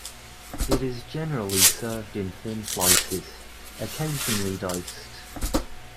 It is generally served in thin slices, occasionally diced.